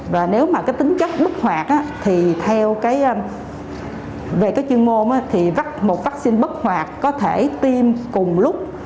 và nếu mà cái tính chất bất hoạt thì theo về cái chuyên môn thì một vắc xin bất hoạt có thể tiêm cùng lúc